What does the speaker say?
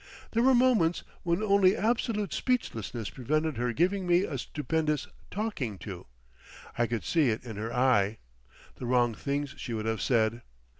There were moments when only absolute speechlessness prevented her giving me a stupendous "talking to"—I could see it in her eye. The wrong things she would have said!